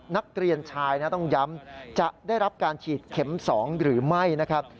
นักเรียนชายนะต้องย้ำจะได้รับการฉีดเข็ม๒หรือไม่นะครับ